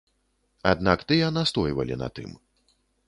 Аднак тыя настойвалі на тым.